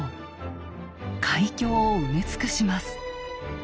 海峡を埋め尽くします。